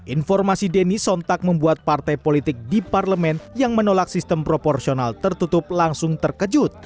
informasi denny sontak membuat partai politik di parlemen yang menolak sistem proporsional tertutup langsung terkejut